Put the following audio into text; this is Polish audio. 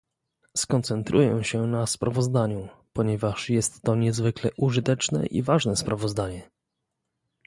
Skoncentruję się na sprawozdaniu, ponieważ jest to niezwykle użyteczne i ważne sprawozdanie